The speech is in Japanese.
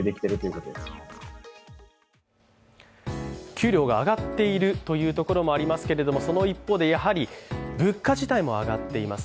給料が上がっているところもありますけれども、その一方で、やはり物価自体も上がっています。